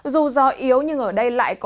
dù gió yếu nhưng ở đây lại có